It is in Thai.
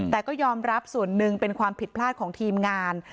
แต่ก็ยอมรับส่วนหนึ่งเป็นความผิดพลาดของทีมงาน